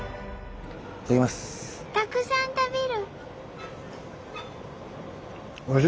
たくさん食べる！